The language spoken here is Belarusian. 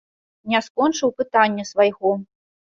Не скончыў пытання свайго.